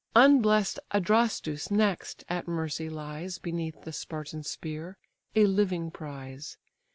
Unbless'd Adrastus next at mercy lies Beneath the Spartan spear, a living prize.